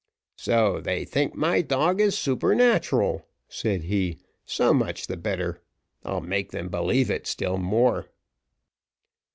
"So they think my dog is supernatural," said he; "so much the better. I'll make them believe it still more."